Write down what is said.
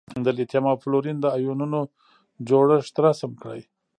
د لیتیم او فلورین د ایونونو جوړښت رسم کړئ.